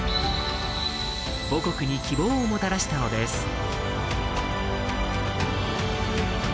母国に希望をもたらしたのです。